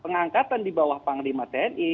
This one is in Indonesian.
pengangkatan di bawah panglima tni